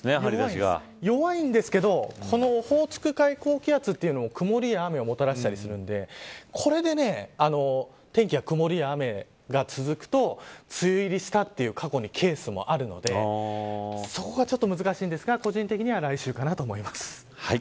弱いんですけど、このオホーツク海高気圧というのが曇りや雨をもたらしたりするのでこれで天気が曇りや雨が続くと梅雨入りしたという過去にケースもあるのでそこがちょっと難しいんですが個人的には来週かなと思います。